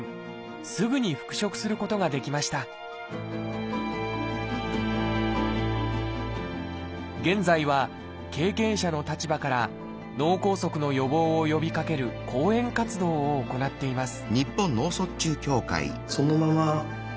すぐに復職することができました現在は経験者の立場から脳梗塞の予防を呼びかける講演活動を行っています